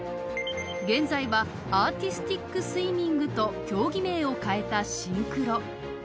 現在はアーティスティックスイミングと競技名を変えたシンクロ。